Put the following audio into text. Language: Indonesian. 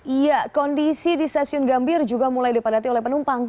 iya kondisi di stasiun gambir juga mulai dipadati oleh penumpang